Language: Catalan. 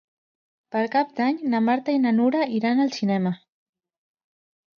Per Cap d'Any na Marta i na Nura iran al cinema.